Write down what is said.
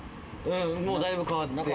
もうだいぶ変わって。